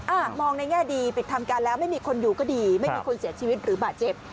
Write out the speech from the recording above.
อ่ะมองในแง่ดีปิดทำการแล้วไม่มีคนอยู่ก็ดีไม่มีคนเสียชีวิตหรือบาดเจ็บ